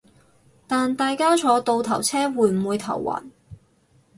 但大家坐倒頭車會唔會頭暈